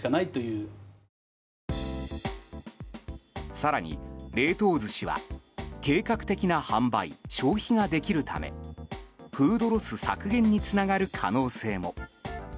更に冷凍寿司は計画的な販売・消費ができるためフードロス削減につながる可能性も。